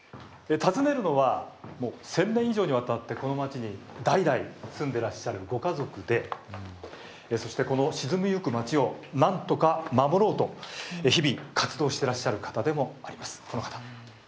訪ねるのは１０００年以上にわたってこの街に代々住んでいらっしゃるご家族でそして、この沈み行く街をなんとか守ろうと日々活動してらっしゃる方でもあります、この方。